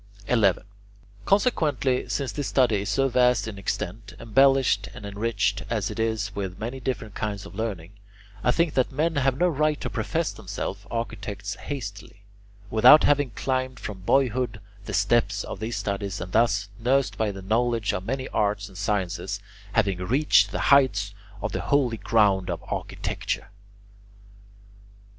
11. Consequently, since this study is so vast in extent, embellished and enriched as it is with many different kinds of learning, I think that men have no right to profess themselves architects hastily, without having climbed from boyhood the steps of these studies and thus, nursed by the knowledge of many arts and sciences, having reached the heights of the holy ground of architecture.